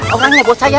orangnya buat saya